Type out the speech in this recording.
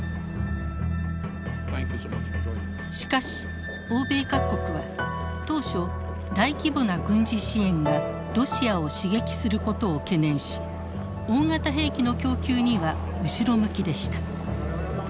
しかし欧米各国は当初大規模な軍事支援がロシアを刺激することを懸念し大型兵器の供給には後ろ向きでした。